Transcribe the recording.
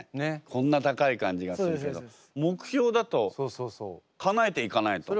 こんな高い感じがするけど目標だとかなえていかないと。